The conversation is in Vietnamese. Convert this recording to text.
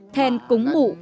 then cúng mụ